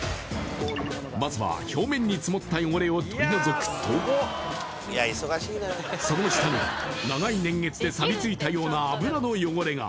まずは表面に積もった汚れを取り除くとその下には、長い年月でさびついたような油の汚れが。